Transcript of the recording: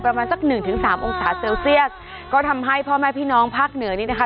ประมาณสักหนึ่งถึงสามองศาเซลเซียสก็ทำให้พ่อแม่พี่น้องภาคเหนือนี่นะคะ